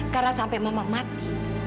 karena sampai mama mati